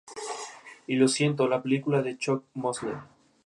Y lo siento: la película de Chuck Mosley.